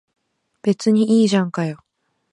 別にいいじゃんかよ。